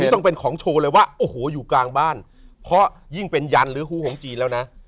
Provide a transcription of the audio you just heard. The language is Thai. ต้องเป็นของโชว์เลยว่าโอ้โหอยู่กลางบ้านเพราะยิ่งเป็นยันหรือฮูของจีนแล้วนะ